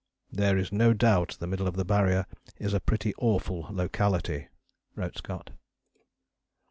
"There is no doubt the middle of the Barrier is a pretty awful locality," wrote Scott.